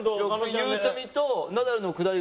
ゆうちゃみとナダルのくだり